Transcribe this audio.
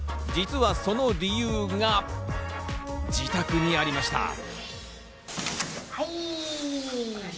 実はその理由が、自宅にありました。